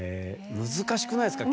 難しくないですか？